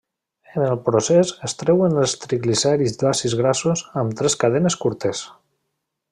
En el procés es treuen els triglicèrids d'àcids grassos amb tres cadenes curtes.